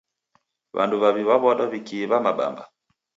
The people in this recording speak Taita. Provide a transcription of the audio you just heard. W'andu w'aw'i w'aw'adwa w'ikiiw'a mabamba.